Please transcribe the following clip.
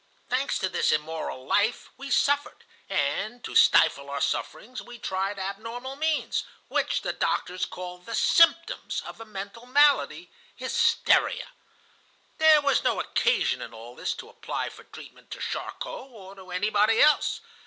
Thanks to this immoral life, we suffered, and, to stifle our sufferings, we tried abnormal means, which the doctors call the 'symptoms' of a mental malady,—hysteria. "There was no occasion in all this to apply for treatment to Charcot or to anybody else.